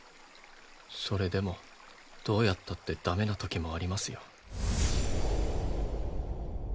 それでもどうやったって駄目な時もありますよ。